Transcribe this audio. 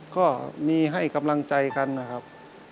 ก็มีให้กำลังใจกันนะครับ